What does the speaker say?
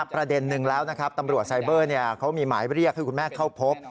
ประเด็นนึงแล้วนะครับตำรวจไซเบอร์เขามีหมายเรียกให้คุณแม่เข้าพบ